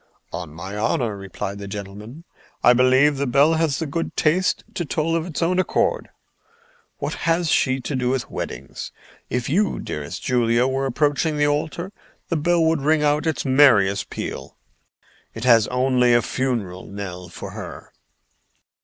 "On my honor," replied the gentleman, "I believe the bell has the good taste to toll of its own accord. What has she to do with weddings? If you, dearest Julia, were approaching the altar, the bell would ring out its merriest peal. It has only a funeral knell for her."